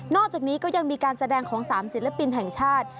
อกจากนี้ก็ยังมีการแสดงของ๓ศิลปินแห่งชาติ